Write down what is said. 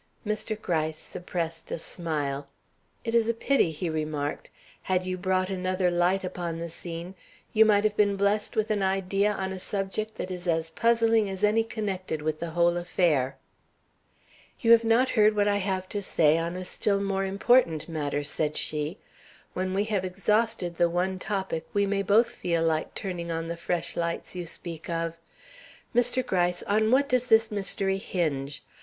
Mr. Gryce suppressed a smile. "It is a pity," he remarked. "Had you brought another light upon the scene, you might have been blessed with an idea on a subject that is as puzzling as any connected with the whole affair." "You have not heard what I have to say on a still more important matter," said she. "When we have exhausted the one topic, we may both feel like turning on the fresh lights you speak of. Mr. Gryce, on what does this mystery hinge?